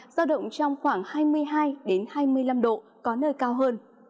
giao động trong khoảng hai mươi hai hai mươi năm độ có nơi cao hơn